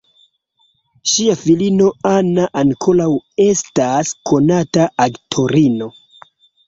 Ŝia filino Anna ankaŭ estas konata aktorino.